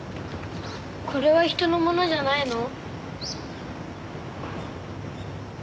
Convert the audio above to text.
これは人のものじゃないの？